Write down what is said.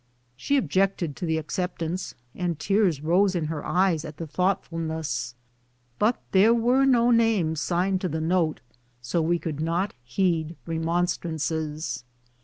She objected to the accept ance, and tears rose in her eyes at the thoughtfulness; but there were no names signed to the note, so we would not heed remonstrances.